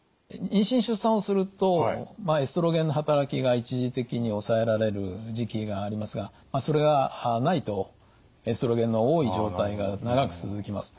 妊娠・出産をするとエストロゲンの働きが一時的に抑えられる時期がありますがそれがないとエストロゲンの多い状態が長く続きます。